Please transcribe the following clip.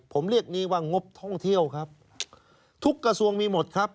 ผมเรียกนี้ว่างบท่องเที่ยวครับทุกกระทรวงมีหมดครับ